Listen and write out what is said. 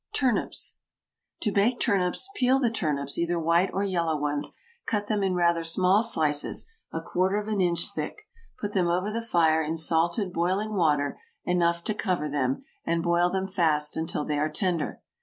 TURNIPS. To bake turnips, peel the turnips, either white or yellow ones, cut them in rather small slices, a quarter of an inch thick; put them over the fire in salted boiling water enough to cover them, and boil them fast until they are tender.